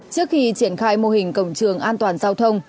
trước khi triển khai mô hình cổng trường an toàn giao thông